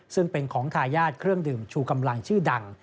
ซึ่งเป็นของทายาทเครื่องดื่มชูกำลังชื่อดัง